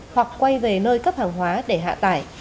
hoặc quay về nơi cấp hàng hóa để hạ tải